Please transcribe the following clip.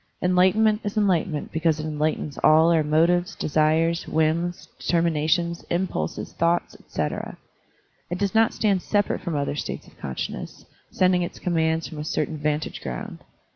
Enlightenment is enlightenment because it enlightens all our motives, desires, whims, determinations, impulses, thoughts, etc. It does not stand separate from other states of consciousness, sending its com mands from a certain vantage ground.